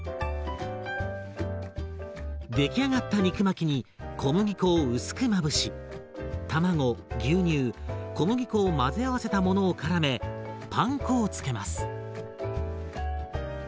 出来上がった肉巻きに小麦粉を薄くまぶし卵牛乳小麦粉を混ぜ合わせたものをからめパン粉を付けます。